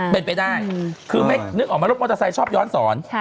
เป็นไปได้คือไม่นึกออกไหมรถมอเตอร์ไซค์ชอบย้อนสอน